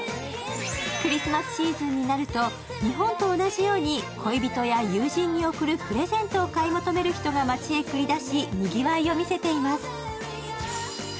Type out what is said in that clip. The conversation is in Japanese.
クリスマスシーズンになると日本と同じように恋人や友人に贈るプレゼントを買い求める人が街へ繰り出しにぎわいを見せています。